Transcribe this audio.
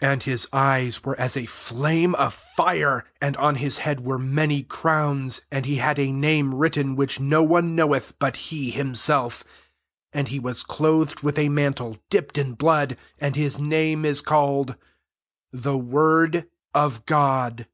12 And bis eyes were [af\ a flame of fire, and on his head were many crowns: and he had a name written which no one knoweth but he himself: 13 and he was clothed with a mantle dipt in blood : and his name is called, Ths Wokd oi God.